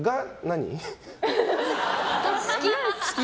好き。